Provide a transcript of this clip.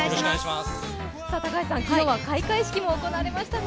高橋さん、昨日は開会式も行われましたね。